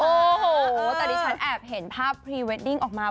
โอ้โหแต่ดิฉันแอบเห็นภาพพรีเวดดิ้งออกมา